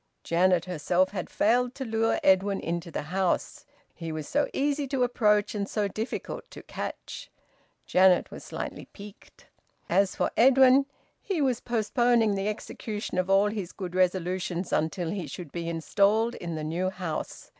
Janet herself had failed to lure Edwin into the house. He was so easy to approach and so difficult to catch. Janet was slightly piqued. As for Edwin, he was postponing the execution of all his good resolutions until he should be installed in the new house.